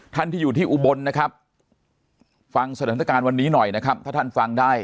ที่อยู่ที่อุบลนะครับฟังสถานการณ์วันนี้หน่อยนะครับถ้าท่านฟังได้